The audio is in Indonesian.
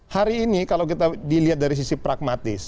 hari ini kalau kita dilihat dari sisi pragmatis